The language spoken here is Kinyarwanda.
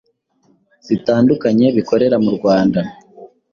zitandukanye bikorera mu Rwanda